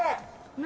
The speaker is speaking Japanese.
何？